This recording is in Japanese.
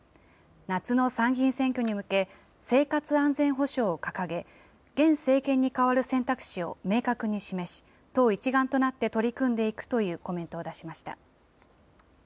夏の参議院選挙に向け、生活安全保障を掲げ、現政権に代わる選択肢を明確に示し、党一丸となって取り組んでいくというコメントを出しました。